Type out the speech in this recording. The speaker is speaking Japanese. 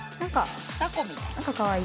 タコみたい。